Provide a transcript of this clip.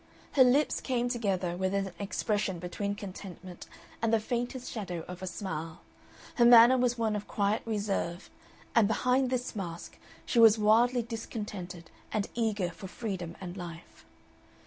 Her lips came together with an expression between contentment and the faintest shadow of a smile, her manner was one of quiet reserve, and behind this mask she was wildly discontented and eager for freedom and life.